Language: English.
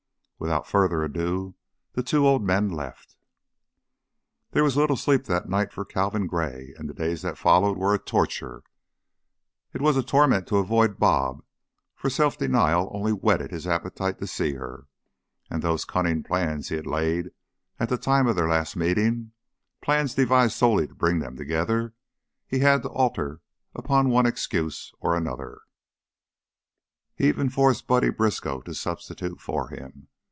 Without further ado the two old men left. There was little sleep that night for Calvin Gray, and the days that followed were a torture. It was a torment to avoid "Bob," for self denial only whetted his appetite to see her, and those cunning plans he had laid at the time of their last meeting plans devised solely to bring them together he had to alter upon one excuse or another; he even forced Buddy Briskow to substitute for him.